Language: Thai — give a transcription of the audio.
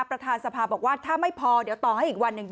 ประธานสภาบอกว่าถ้าไม่พอเดี๋ยวต่อให้อีกวันหนึ่ง